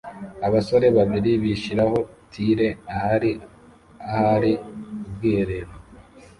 Abasore babiri bashiraho tile ahari ahari ubwiherero